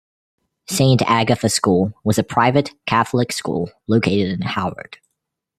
Saint Agatha School was a private, Catholic school located in Howard.